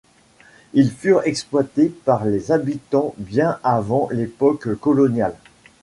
Ils furent exploités par les habitants bien avant l'époque coloniale.